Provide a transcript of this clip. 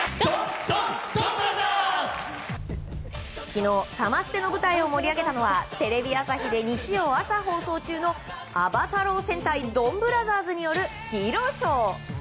昨日、サマステの舞台を盛り上げたのはテレビ朝日で日曜朝放送中の「ドンブラザーズ」によるヒーローショー。